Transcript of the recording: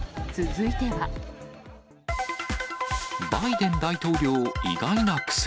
バイデン大統領、意外な癖。